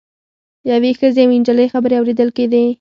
یوې ښځې او نجلۍ خبرې اوریدل کیدې.